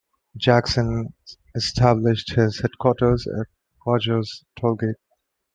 Jackson established his headquarters at Rodgers's tollgate.